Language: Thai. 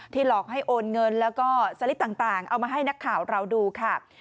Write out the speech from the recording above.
หลอกให้โอนเงินแล้วก็สลิปต่างเอามาให้นักข่าวเราดูค่ะ